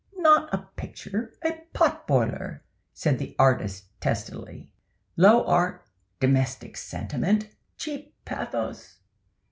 "Not a picture—a pot boiler," said the artist, testily. "Low art—domestic sentiment—cheap pathos.